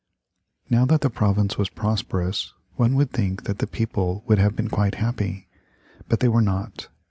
Now that the province was prosperous, one would think that the people would have been quite happy. But they were not.